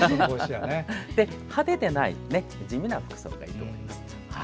派手でない地味な服装がいいです。